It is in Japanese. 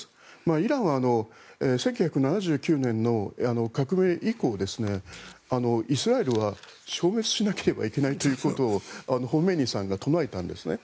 イランは１９７９年の革命以降イスラエルは消滅しなければいけないということをホメイニさんが唱えたんです。